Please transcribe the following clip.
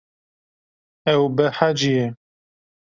Ew behecî ye.